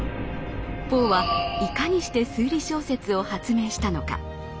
ポーはいかにして推理小説を発明したのか。